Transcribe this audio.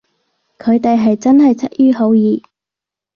佢哋係真係出於好意